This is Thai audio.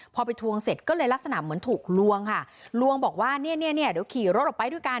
พอไปทวงเสร็จก็เลยลักษณะเหมือนถูกลวงค่ะลวงบอกว่าเนี่ยเนี่ยเดี๋ยวขี่รถออกไปด้วยกัน